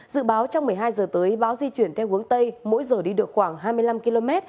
dự báo trong một mươi hai h tới bão di chuyển theo hướng tây mỗi giờ đi được khoảng hai mươi năm km